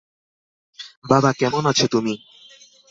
বাবা, কেমন আছো তুমি?